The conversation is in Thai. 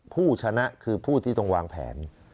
ผู้ชนะคือผู้ที่ต้องวางแผน